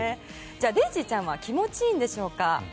デイジーちゃんは気持ちいいんでしょうか？